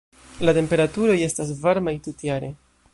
La temperaturoj estas varmaj tutjare.